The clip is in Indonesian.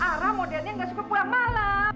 ara modernnya gak suka pulang malam